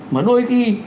mà đôi khi